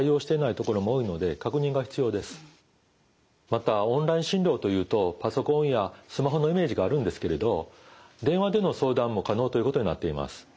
またオンライン診療というとパソコンやスマホのイメージがあるんですけれど電話での相談も可能ということになっています。